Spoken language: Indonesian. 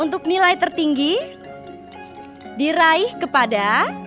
untuk nilai tertinggi diraih kepada